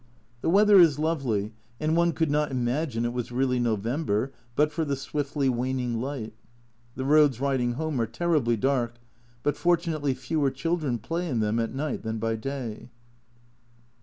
The weather is lovely, and one could not imagine it was really November, but for the swiftly waning light. The roads riding home are terribly dark, but fortunately fewer children play in them at night than by day.